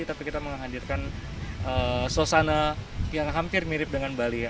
tapi kita menghadirkan sosana yang hampir mirip dengan bali